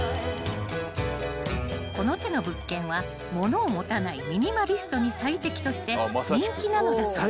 ［この手の物件は物を持たないミニマリストに最適として人気なのだという］